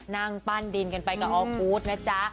นางปั้นดินกันไปกับออร์โคตรนะจ๊ะ